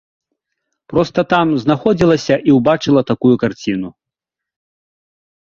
Проста там знаходзілася і ўбачыла такую карціну.